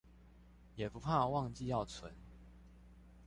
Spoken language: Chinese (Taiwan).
也不怕忘記要存